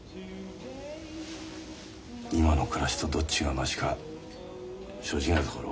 今の暮らしとどっちがマシか正直なところ